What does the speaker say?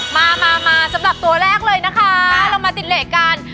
มามาสำหรับตัวแรกเลยนะคะเรามาติดเหล็กกัน